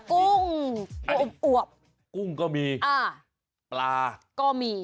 กุ้งอบกุ้งก็มีปลาก็มี